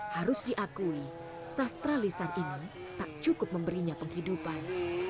harus diakui sastralisan ini tak cukup memberinya penghidupan